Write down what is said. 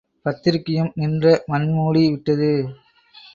பத்திரிகையும் நின்ற மண் மூடி விட்டது.